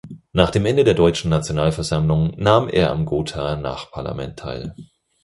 Nach dem Ende der Deutschen Nationalversammlung nahm er am Gothaer Nachparlament teil.